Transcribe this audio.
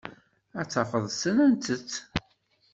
Ad tafeḍ ssnent-tt.